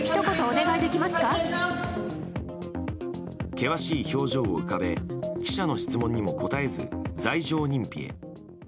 険しい表情を浮かべ記者の質問にも答えず罪状認否へ。